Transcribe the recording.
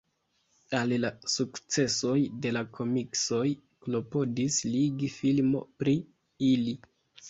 Al la sukcesoj de la komiksoj klopodis ligi filmo pri ili.